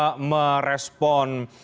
oke ya merespon